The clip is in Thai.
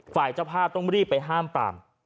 ฝ่ายเจ้าภาพต้องรีบไปห้ามปาม